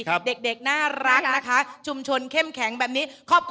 ขอบคุณพ่อจ้าแม่จ๋านะคะ